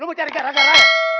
lu mau cari gara gara